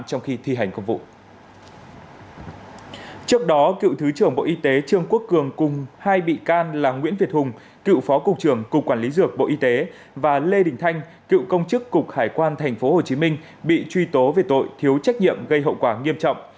trước đó cựu thứ trưởng bộ y tế trương quốc cường cùng hai bị can là nguyễn việt hùng cựu phó cục trưởng cục quản lý dược bộ y tế và lê đình thanh cựu công chức cục hải quan tp hcm bị truy tố về tội thiếu trách nhiệm gây hậu quả nghiêm trọng